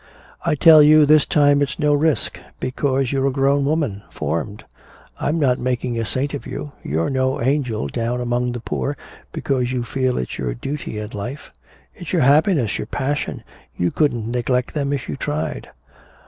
"I tell you this time it's no risk! Because you're a grown woman formed! I'm not making a saint of you. You're no angel down among the poor because you feel it's your duty in life it's your happiness, your passion! You couldn't neglect them if you tried!"